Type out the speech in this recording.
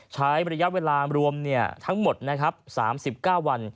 ใช้ระยะเวลารวมทั้งหมด๓๙วัน